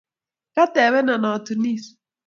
Katebena atunis.